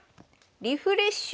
「リフレッシュ」。